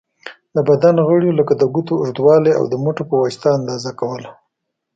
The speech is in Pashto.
د بدن غړیو لکه د ګوتو اوږوالی، او د مټو په واسطه اندازه کوله.